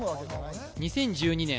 ２０１２年